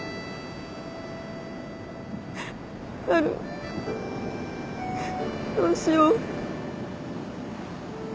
なるどうしよう。